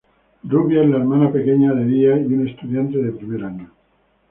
Ruby es la hermana pequeña de Día y una estudiante de primer año.